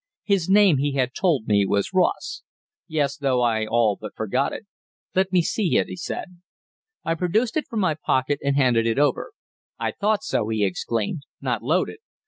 His name, he had told me, was Ross. "Yes, though I all but forgot it." "Let me see it," he said. I produced it from my pocket, and handed it over. "I thought so!" he exclaimed. "Not loaded."